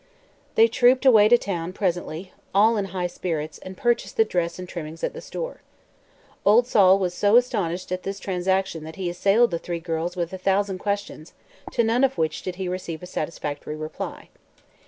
They trooped away to town, presently, all in high spirits, and purchased the dress and trimmings at the store. Old Sol was so astonished at this transaction that he assailed the three girls with a thousand questions, to none of which did he receive a satisfactory reply.